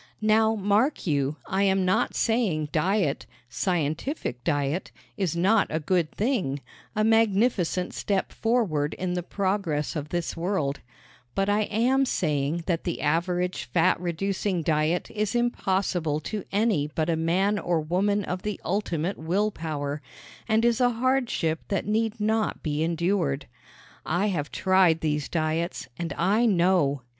Now, mark you, I am not saying diet scientific diet is not a good thing, a magnificent step forward in the progress of this world; but I am saying that the average fat reducing diet is impossible to any but a man or woman of the ultimate will power, and is a hardship that need not be endured. I have tried these diets, and I know!